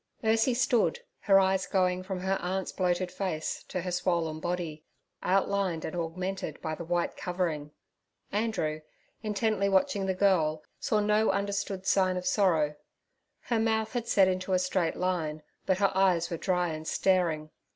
Ursie stood, her eyes going from her aunt's bloated face to her swollen body, outlined and augmented by the white covering. Andrew, intently watching the girl, saw no understood sign of sorrow. Her mouth had set into a straight line, but her eyes were dry and staring.